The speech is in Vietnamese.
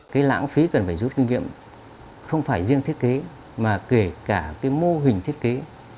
cái lãng phí cần phải rút kinh nghiệm không phải riêng thiết kế mà kể cả cái mô hình thiết kế